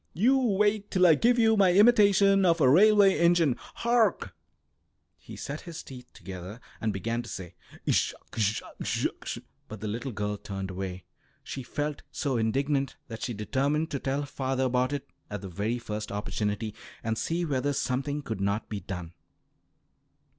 You wait till I give you my imitation of a railway engine. Hark!" He set his teeth together and began to say "Isha isha isha," but the little girl turned away. She felt so indignant that she determined to tell her father about it at the very first opportunity, and see whether something could not be done.